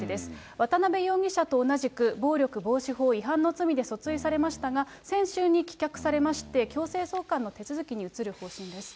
渡辺容疑者と同じく暴力防止法違反の罪で訴追されましたが、先週に棄却されまして、強制送還の手続きに移る方針です。